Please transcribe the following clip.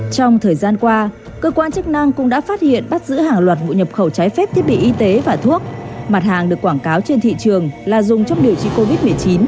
trong thời gian qua cơ quan chức năng cũng đã phát hiện bắt giữ hàng loạt vụ nhập khẩu trái phép thiết bị y tế và thuốc mặt hàng được quảng cáo trên thị trường là dùng trong điều trị covid một mươi chín